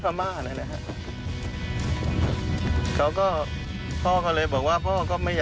แต่เราก็บอกว่ามัน